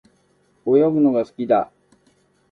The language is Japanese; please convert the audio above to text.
泳ぐのが好きだ。